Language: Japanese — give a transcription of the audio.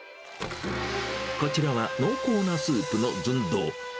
こちらは濃厚なスープの寸胴。